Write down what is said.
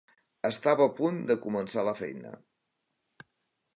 Estava a punt de començar la feina.